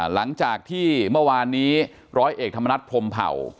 หลังจากที่เมื่อวานนี้ร้อยเอกธรรมนัฐพรมเผ่า